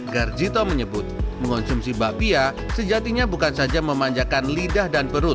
garjito menyebut mengonsumsi bakpia sejatinya bukan saja memanjakan lidah dan perut